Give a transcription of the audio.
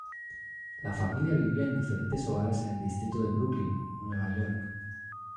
La familia vivía en diferentes hogares en el distrito de Brooklyn, Nueva York.